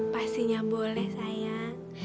pastinya boleh sayang